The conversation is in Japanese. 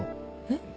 えっ？